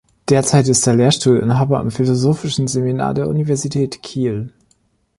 Derzeit ist er Lehrstuhlinhaber am Philosophischen Seminar der Universität Kiel.